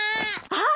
あっ！